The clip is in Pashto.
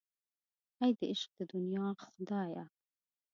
اې د عشق د دنیا خدایه.